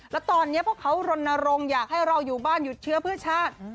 แล้วตอนนี้พวกเขารณรงค์อยากให้เราอยู่บ้านหยุดเชื้อเพื่อชาติ